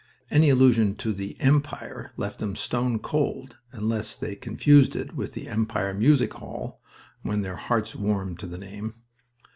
Any illusion to "The Empire" left them stone cold unless they confused it with the Empire Music Hall, when their hearts warmed to the name.